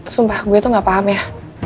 sumpah gue tuh ga paham ya